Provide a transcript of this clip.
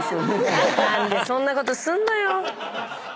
何でそんなことすんのよ。